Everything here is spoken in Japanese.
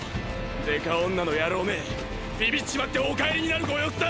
デカ女の野郎めビビっちまってお帰りになるご様子だ！